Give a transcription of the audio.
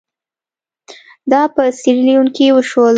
دا په سیریلیون کې وشول.